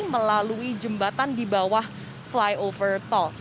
melalui jembatan di bawah flyover toll